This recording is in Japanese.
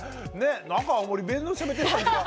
なんか青森弁のしゃべってる感じが。